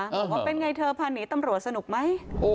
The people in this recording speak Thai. บอกว่าเป็นไงเธอพาหนีตำรวจสนุกไหม